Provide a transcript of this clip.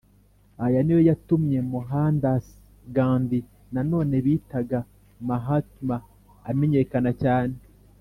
ari na yo yatumye mohandas gandhi nanone bitaga mahatma, amenyekana cyane.